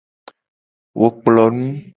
Wo kplo nu.